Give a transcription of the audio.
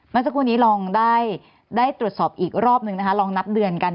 เมื่อสักครู่นี้ลองได้ตรวจสอบอีกรอบนึงนะคะลองนับเดือนกัน